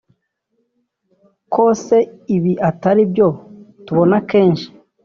Ko se ibi ataribyo tubona kenshi